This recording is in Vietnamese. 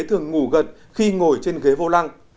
thường ngủ gật khi ngồi trên ghế vô lăng